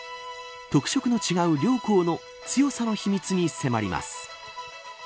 特色の違う両校の強さの秘密に迫ります。